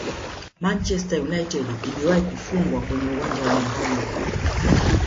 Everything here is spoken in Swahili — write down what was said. manchester united iliwahi kufungwa kwenye uwanja wa nyumbani